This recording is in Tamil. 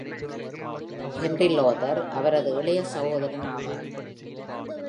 ஹென்றி லோதர் அவரது இளைய சகோதரன் ஆவார்.